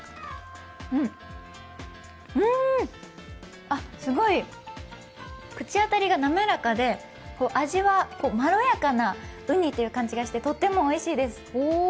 うん、すごい口当たりが滑らかで味はまろやかなうにという感じがしてとってもおいしいです。